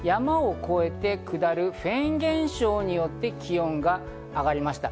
それが山を越えて下るフェーン現象によって、気温が上がりました。